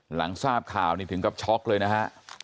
หลังทราบข่าวนี่ถึงกับช็อกเลยนะฮะ